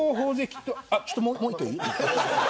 ちょっと、もう一回いい。